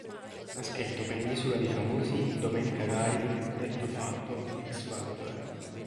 Ha scritto per L'isola dei famosi, Domenica Live, Detto fatto, X Factor.